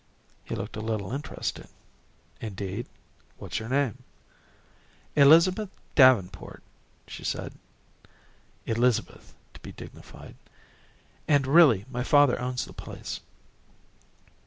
He looked a little interested. "Indeed? What's your name?" "Elizabeth Davenport;" she said 'Elizabeth' to be dignified, "and really my father owns the place."